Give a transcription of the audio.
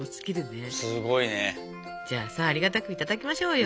じゃあさありがたくいただきましょうよ。